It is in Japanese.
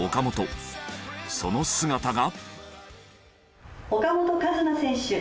その姿が。